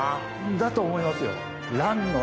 だと思いますよ。